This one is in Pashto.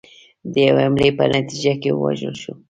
د یوې حملې په نتیجه کې ووژل شول.